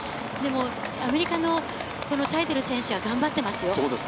アメリカのサイデル選手は頑張ってますよ。